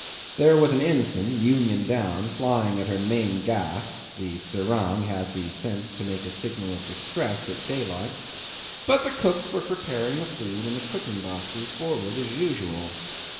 There was an ensign, union down, flying at her main gaff (the serang had the sense to make a signal of distress at daylight); but the cooks were preparing the food in the cooking boxes forward as usual.